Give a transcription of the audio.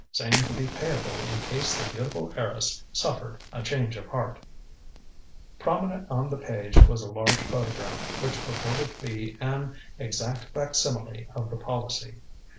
Same to be Payable in Case the Beautiful Heiress Suffered a Change of Heart Prominent on the page was a large photograph, which purported to be "An Exact Facsimile of the Policy."